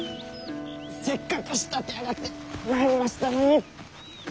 せっかく仕立て上がってまいりましたのに！